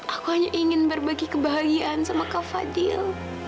aku hanya ingin berbagi kebahagiaan sama kak fadil